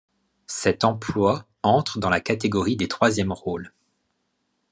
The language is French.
Cet emploi entre dans la catégorie des troisièmes rôles.